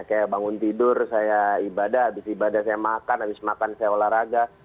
kayak bangun tidur saya ibadah habis ibadah saya makan habis makan saya olahraga